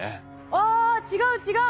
あ違う違う。